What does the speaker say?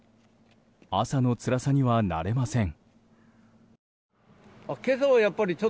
朝のつらさには慣れません。